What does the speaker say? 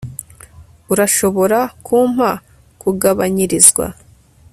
urashobora kumpa kugabanyirizwa